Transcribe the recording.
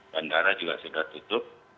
bandara juga sudah tutup